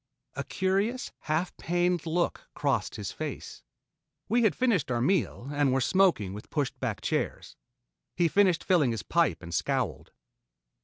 A curious half pained look crossed his face. We had finished our meal, and were smoking with pushed back chairs. He finished filling his pipe, and scowled.